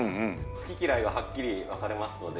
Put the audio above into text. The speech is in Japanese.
好き嫌いがはっきり分かれますので。